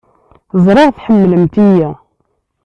Ẓriɣ tḥemmlemt-iyi.